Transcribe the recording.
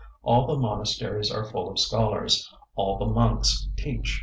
All the monasteries are full of scholars, all the monks teach.